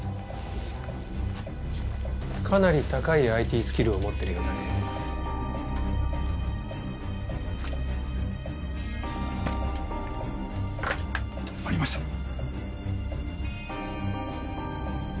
かなり高いＩＴスキルを持っているようだね。ありました！